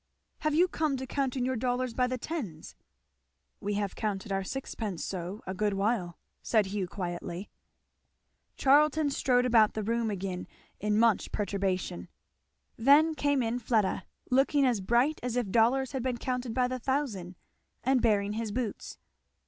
"Have you come to counting your dollars by the tens?" "We have counted our sixpences so a good while," said Hugh quietly. Charlton strode about the room again in much perturbation. Then came in Fleda, looking as bright as if dollars had been counted by the thousand, and bearing his boots.